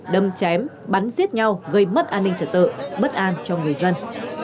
đâm chém bắn giết nhau gây mất an ninh trật tự bất an cho người dân